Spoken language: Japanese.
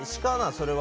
それは？